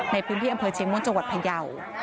ในพื้นที่อำเภอเชียงม้วนจังหวัดพยาว